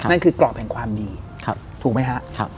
นั่นคือกรอบแห่งความดีถูกไหมครับ